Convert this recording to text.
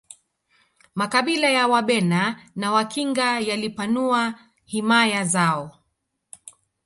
makabila ya wabena na wakinga yalipanua himaya zao